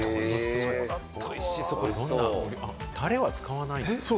タレは使わないんですね。